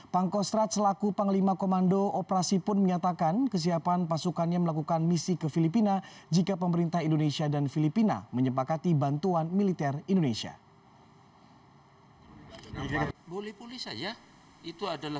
pangkostrat selaku panglima komando operasi pun menyatakan kesiapan pasukannya melakukan misi ke filipina jika pemerintah indonesia dan filipina menyepakati bantuan militer indonesia